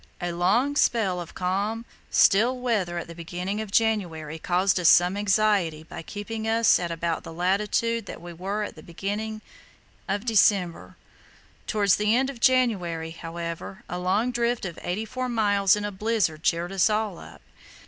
A long spell of calm, still weather at the beginning of January caused us some anxiety by keeping us at about the latitude that we were in at the beginning of December. Towards the end of January, however, a long drift of eighty four miles in a blizzard cheered us all up.